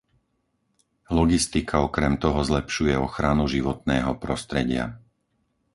Logistika okrem toho zlepšuje ochranu životného prostredia.